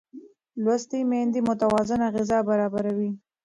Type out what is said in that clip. لوستې میندې متوازنه غذا برابروي.